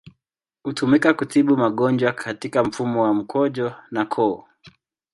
Hutumika kutibu magonjwa katika mfumo wa mkojo na koo.